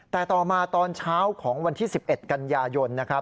แต่ต่อมาตอนเช้าของวันที่๑๑กันยายนนะครับ